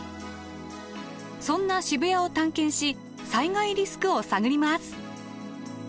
そんな渋谷を探検し災害リスクを探ります！